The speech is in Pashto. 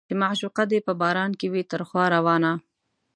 چې معشوقه دې په باران کې وي تر خوا روانه